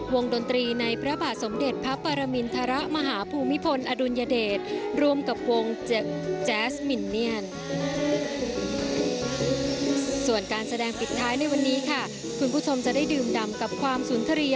วงดนธีในพระบาทสมเด็จพระปรมินทรมาฮภูมิพลอดุญเดรส